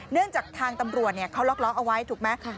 เนื่องจากทางตำรวจเขาล็อกล้อเอาไว้ถูกไหม